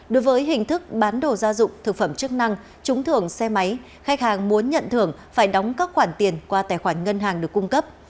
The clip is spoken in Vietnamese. đối với hình thức bán đồ gia dụng thực phẩm chức năng trúng thưởng xe máy khách hàng muốn nhận thưởng phải đóng các khoản tiền qua tài khoản ngân hàng được cung cấp